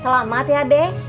selamat ya dek